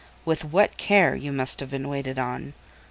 With what care you must have been waited on!"